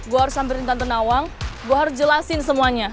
gue harus samperin tanto nawang gue harus jelasin semuanya